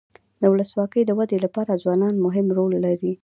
د ولسواکۍ د ودي لپاره ځوانان مهم رول لري.